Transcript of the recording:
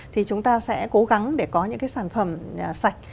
thì chúng ta sẽ cố gắng để có những cái sản phẩm sạch